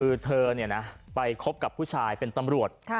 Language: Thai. คือเธอไปคบกับผู้ชายเป็นตำรวจ